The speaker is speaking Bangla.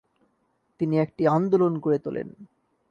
তিনি একটি আন্দোলন গড়ে তোলেন।